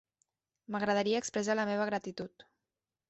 M'agradaria expressar la meva gratitud.